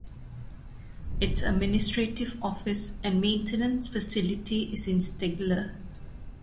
Its administrative office and maintenance facility is in Stigler.